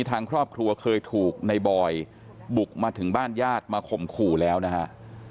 ทางครอบครัวเคยถูกในบอยบุกมาถึงบ้านญาติมาข่มขู่แล้วนะฮะ